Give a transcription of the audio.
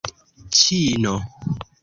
ĉino